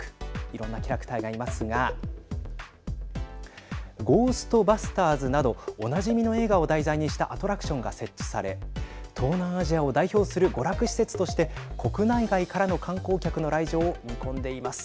いろんなキャラクターがいますがゴーストバスターズなどおなじみの映画を題材にしたアトラクションが設置され東南アジアを代表する娯楽施設として国内外からの観光客の来場を見込んでいます。